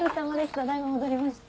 ただ今戻りました。